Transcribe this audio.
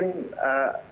mereka sudah berangkat